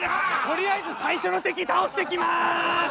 とりあえず最初の敵倒してきます！